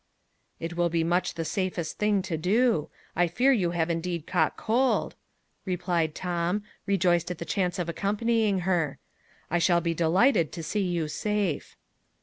"It will be much the safest thing to do: I fear you have indeed caught cold," replied Tom, rejoiced at the chance of accompanying her. "I shall be delighted to see you safe."